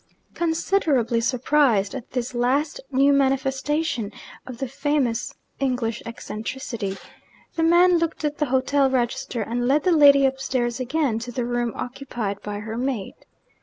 Considerably surprised at this last new manifestation of the famous 'English eccentricity,' the man looked at the hotel register, and led the lady upstairs again to the room occupied by her maid.